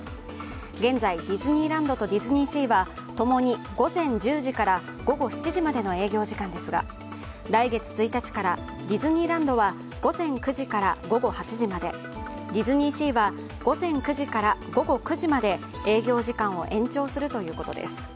現在、ディズニーランドとディズニーシーは共に午前１０時から午後７時までの営業時間ですが、来月１日からディズニーランドは午前９時から午後８時までディズニーシーは午前９時から午後９時まで営業時間を延長するということです。